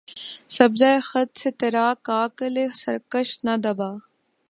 سبزہٴ خط سے ترا کاکلِ سرکش نہ دبا